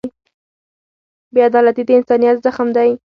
بېعدالتي د انسانیت زخم دی.